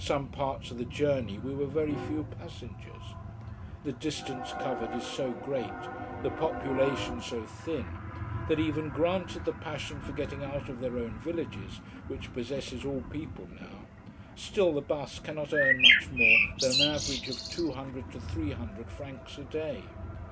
Some parts of the journey we were very few passengers. The distance covered is so great, the population so thin, that even granted the passion for getting out of their own villages, which possesses all people now, still the bus cannot earn much more than an average of two hundred to three hundred francs a day.